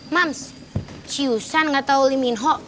mams ciusan gak tau lim minho